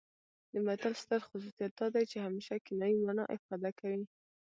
د متل ستر خصوصیت دا دی چې همیشه کنايي مانا افاده کوي